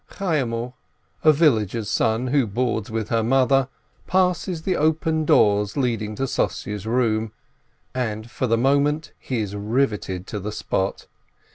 Chayyimel, a villager's son, who boards with her mother, passes the open doors leading to Sossye's room, and for the moment he is riveted to the spot.